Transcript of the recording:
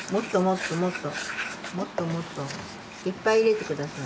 もっともっともっと。いっぱい入れて下さい。